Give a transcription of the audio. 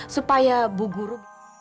supaya bu guru